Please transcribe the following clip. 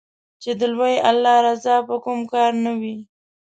چې د لوی الله رضا په کوم کار نــــــــه وي